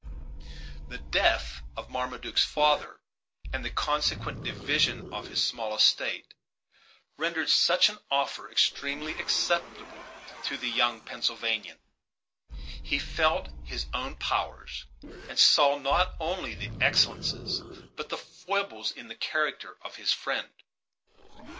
The death of Marmaduke's father, and the consequent division of his small estate, rendered such an offer extremely acceptable to the young Pennsylvanian; he felt his own powers, and saw, not only the excellences, but the foibles in the character of his friend.